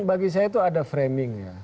ya kekhawatiran bagi saya itu ada framing ya